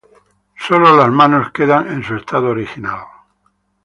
Sólo las manos quedan en su estado original.